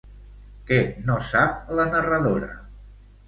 Què no sap la narradora?